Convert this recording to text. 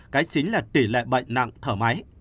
cái chính là tỷ lệ bệnh nặng thở máy